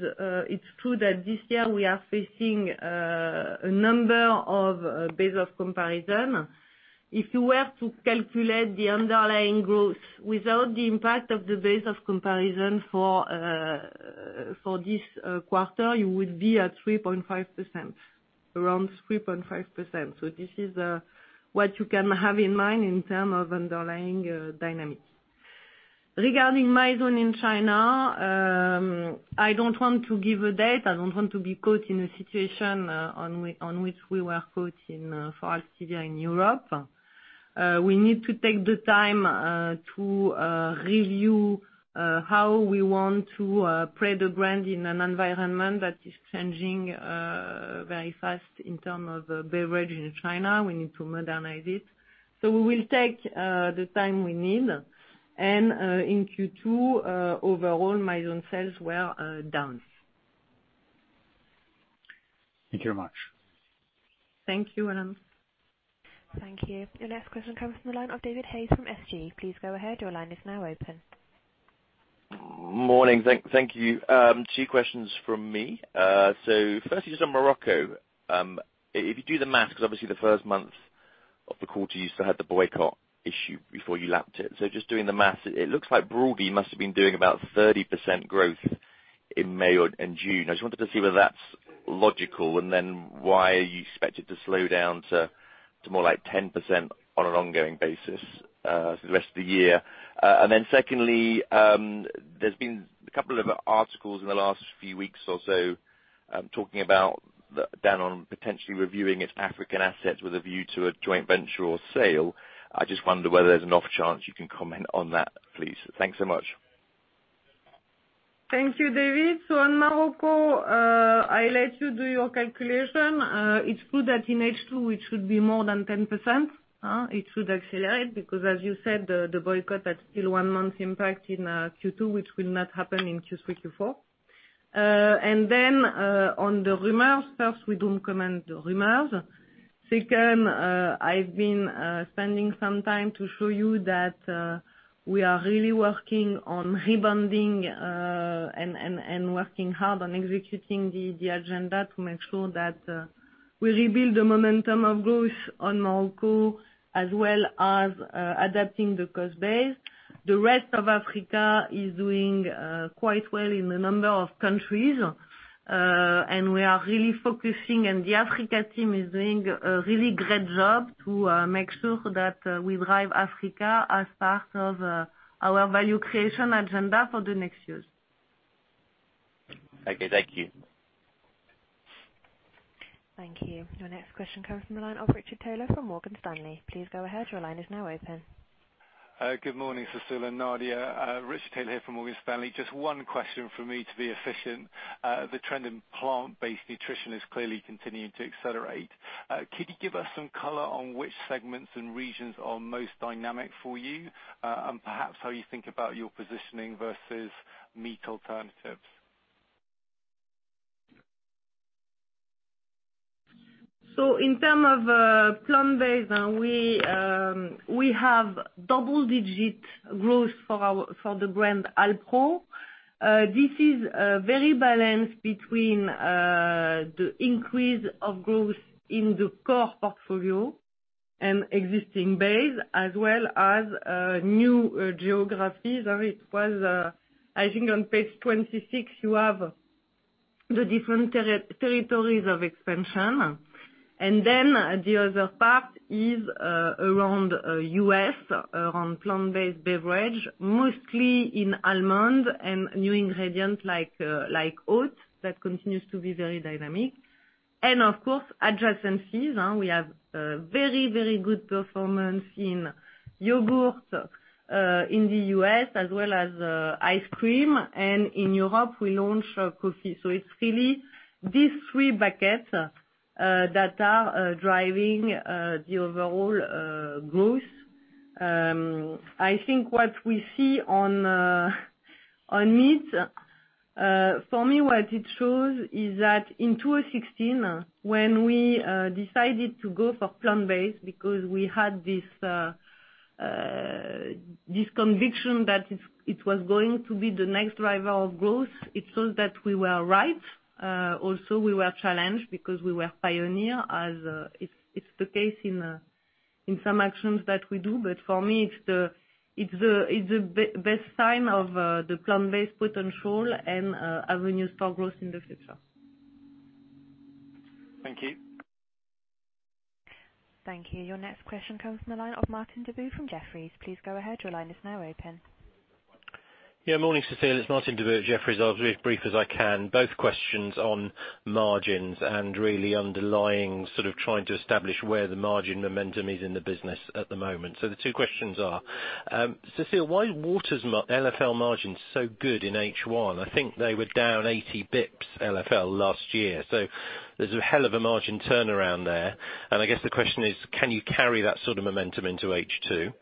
Speaker 3: it's true that this year we are facing a number of base of comparison. If you were to calculate the underlying growth without the impact of the base of comparison for this quarter, you would be at 3.5%, around 3.5%. This is what you can have in mind in term of underlying dynamics. Regarding Mizone in China, I don't want to give a date. I don't want to be caught in a situation on which we were caught for Activia in Europe. We need to take the time to review how we want to play the brand in an environment that is changing very fast in term of beverage in China. We need to modernize it. We will take the time we need. In Q2, overall, Mizone sales were down.
Speaker 6: Thank you very much.
Speaker 3: Thank you, Alain.
Speaker 1: Thank you. Your next question comes from the line of David Hayes from SG. Please go ahead, your line is now open.
Speaker 7: Morning. Thank you. Two questions from me. Firstly, just on Morocco. If you do the math, because obviously the first month of the quarter you still had the boycott issue before you lapped it. Just doing the math, it looks like broadly you must have been doing about 30% growth in May and June. I just wanted to see whether that's logical, and then why you expect it to slow down to more like 10% on an ongoing basis for the rest of the year. Secondly, there's been a couple of articles in the last few weeks or so talking about Danone potentially reviewing its African assets with a view to a joint venture or sale. I just wonder whether there's an off chance you can comment on that, please. Thanks so much.
Speaker 3: Thank you, David. On Morocco, I let you do your calculation. It's good that in H2, which should be more than 10%, it should accelerate because as you said, the boycott had still one month impact in Q2, which will not happen in Q3, Q4. On the rumors, first, we don't comment the rumors. Second, I've been spending some time to show you that we are really working on rebonding, and working hard on executing the agenda to make sure that we rebuild the momentum of growth on Morocco as well as adapting the cost base. The rest of Africa is doing quite well in a number of countries, and we are really focusing, and the Africa team is doing a really great job to make sure that we drive Africa as part of our value creation agenda for the next years.
Speaker 7: Okay. Thank you.
Speaker 1: Thank you. Your next question comes from the line of Richard Taylor from Morgan Stanley. Please go ahead, your line is now open.
Speaker 8: Good morning, Cécile and Nadia. Richard Taylor here from Morgan Stanley. Just one question from me to be efficient. The trend in Plant-Based nutrition is clearly continuing to accelerate. Could you give us some color on which segments and regions are most dynamic for you? Perhaps how you think about your positioning versus meat alternatives.
Speaker 3: In terms of Plant-Based, we have double-digit growth for the brand Alpro. This is very balanced between the increase of growth in the core portfolio an existing base as well as new geographies. It was, I think on page 26, you have the different territories of expansion. the other part is around U.S., around Plant-Based beverage, mostly in almond and new ingredient like oat. That continues to be very dynamic. of course, adjacencies. We have very good performance in yogurt in the U.S. as well as ice cream. in Europe, we launch coffee. It's really these three buckets that are driving the overall growth. I think what we see on meat, for me, what it shows is that in 2016, when we decided to go for Plant-Based because we had this conviction that it was going to be the next driver of growth, it shows that we were right. Also, we were challenged because we were pioneer, as it's the case in some actions that we do. For me, it's the best time of the Plant-Based potential and avenues for growth in the future.
Speaker 8: Thank you.
Speaker 1: Thank you. Your next question comes from the line of Martin Deboo from Jefferies. Please go ahead. Your line is now open.
Speaker 9: Morning, Cécile. It's Martin Deboo, Jefferies. I'll be as brief as I can. Both questions on margins and really underlying, sort of trying to establish where the margin momentum is in the business at the moment. The two questions are, Cécile, why is water's LFL margin so good in H1? I think they were down 80 bps LFL last year. There's a hell of a margin turnaround there. I guess the question is, can you carry that sort of momentum into H2?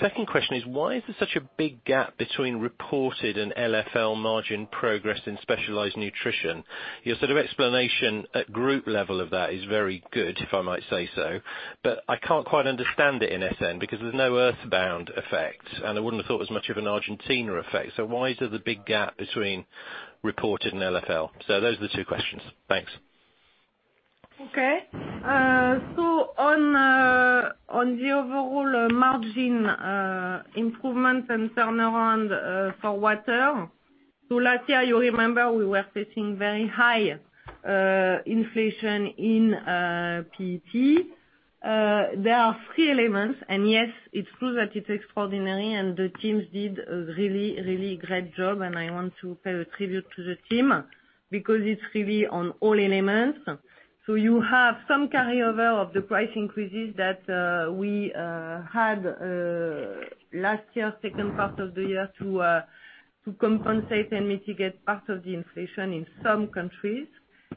Speaker 9: Second question is, why is there such a big gap between reported and LFL margin progress in Specialized Nutrition? Your sort of explanation at group level of that is very good, if I might say so, but I can't quite understand it in SN because there's no Earthbound effect, and I wouldn't have thought it was much of an Argentina effect. Why is there the big gap between reported and LFL? Those are the two questions. Thanks.
Speaker 3: Okay. On the overall margin improvement and turnaround for water. Last year, you remember we were facing very high inflation in PET. There are three elements and yes, it's true that it's extraordinary and the teams did a really great job, and I want to pay a tribute to the team because it's really on all elements. You have some carryover of the price increases that we had last year, second part of the year, to compensate and mitigate part of the inflation in some countries.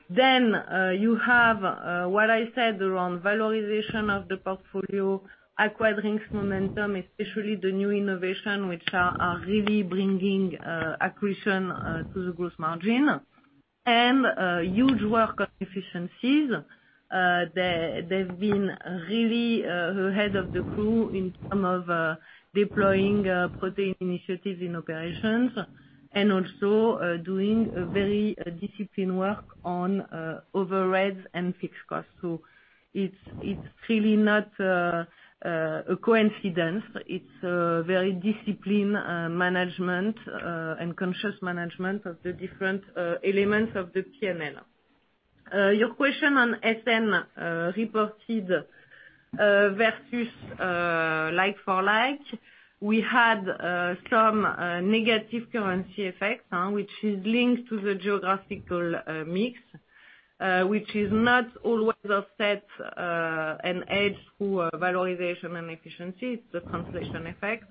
Speaker 3: You have what I said around valorization of the portfolio, acquired drinks momentum, especially the new innovation which are really bringing accretion to the growth margin, and huge work on efficiencies. They've been really ahead of the crew in term of deploying protein initiatives in operations and also doing a very disciplined work on overheads and fixed costs. It's really not a coincidence. It's a very disciplined management and conscious management of the different elements of the P&L. Your question on SN reported versus like-for-like, we had some negative currency effects, which is linked to the geographical mix, which is not always offset and edged through valorization and efficiency. It's the translation effect.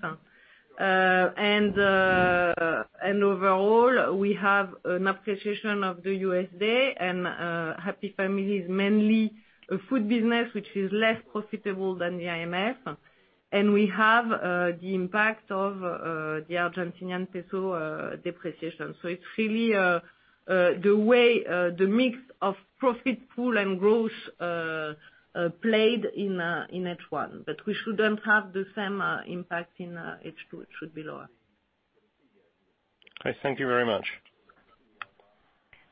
Speaker 3: Overall, we have an appreciation of the USD and Happy Family is mainly a food business, which is less profitable than the IMF. We have the impact of the ARS depreciation. It's really the way the mix of profitable and growth played in H1, but we shouldn't have the same impact in H2. It should be lower.
Speaker 9: Okay. Thank you very much.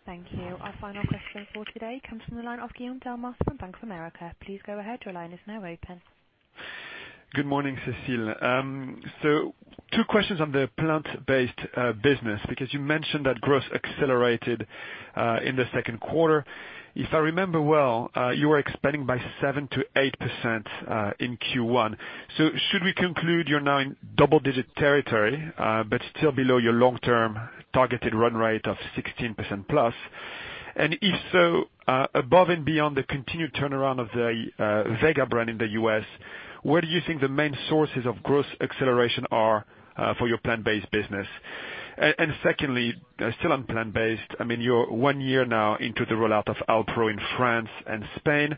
Speaker 1: Thank you. Our final question for today comes from the line of Guillaume Delmas from Bank of America. Please go ahead. Your line is now open.
Speaker 10: Good morning, Cécile. Two questions on the Plant-Based business, because you mentioned that growth accelerated in the second quarter. If I remember well, you were expanding by 7%-8% in Q1. Should we conclude you're now in double-digit territory, but still below your long-term targeted run rate of 16%+? If so, above and beyond the continued turnaround of the Vega brand in the U.S., where do you think the main sources of growth acceleration are for your Plant-Based business? Secondly, still on Plant-Based, you're one year now into the rollout of Alpro in France and Spain.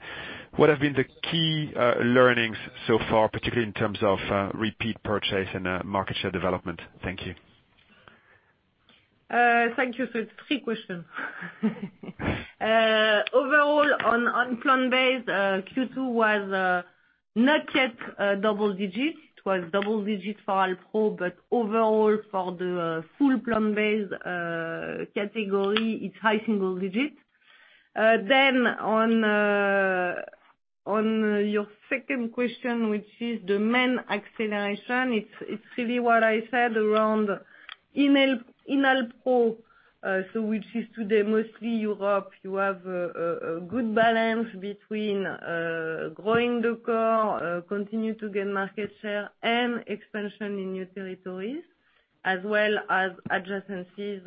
Speaker 10: What have been the key learnings so far, particularly in terms of repeat purchase and market share development? Thank you.
Speaker 3: Thank you. It's three questions. Overall on Plant-Based, Q2 was not yet double digits. It was double digits for Alpro, but overall for the full Plant-Based category, it's high single digits. On your second question, which is the main acceleration, it's really what I said around Alpro, which is today, mostly Europe. You have a good balance between growing the core, continue to gain market share, and expansion in new territories. As well as adjacencies,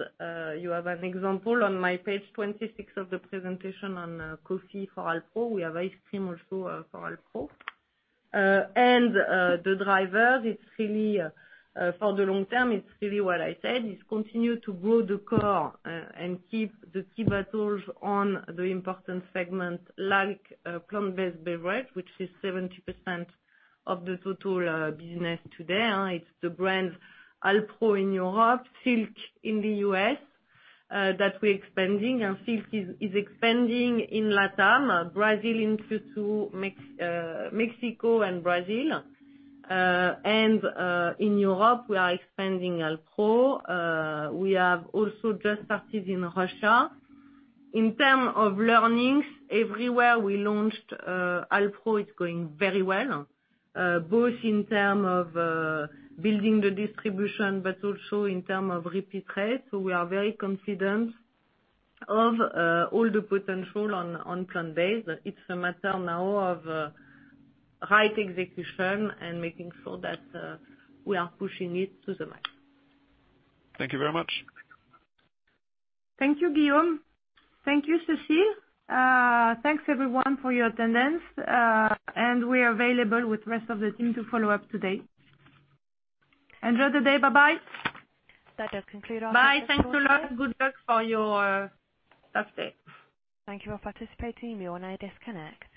Speaker 3: you have an example on my page 26 of the presentation on coffee for Alpro. We have ice cream also for Alpro. The drivers, for the long term, it's really what I said, is continue to grow the core, and keep the key battles on the important segment like Plant-Based beverage, which is 70% of the total business today. It's the brand Alpro in Europe, Silk in the U.S., that we're expanding. Silk is expanding in LATAM, Brazil into Mexico and Brazil. In Europe, we are expanding Alpro. We have also just started in Russia. In terms of learnings, everywhere we launched Alpro, it's going very well, both in terms of building the distribution, but also in terms of repeat rate. We are very confident of all the potential on Plant-Based. It's a matter now of right execution and making sure that we are pushing it to the max.
Speaker 10: Thank you very much.
Speaker 2: Thank you, Guillaume. Thank you, Cécile. Thanks everyone for your attendance. We're available with rest of the team to follow up today. Enjoy the day. Bye-bye.
Speaker 1: That does conclude our-.
Speaker 3: Bye. Thanks a lot. Good luck for your Thursday.
Speaker 1: Thank you for participating. You all now disconnect.